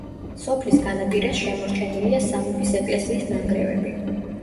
სოფლის განაპირას შემორჩენილია სამების ეკლესიის ნანგრევები.